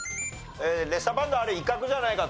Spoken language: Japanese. レッサーパンダはあれ威嚇じゃないかと。